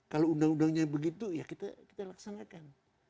kalau undang undangnya begitu ya kita laksanakan